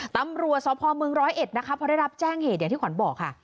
ตำรวจสพเมืองร้อยเอ็ดนะคะพอได้รับแจ้งเหตุอย่างที่ขวัญบอกค่ะ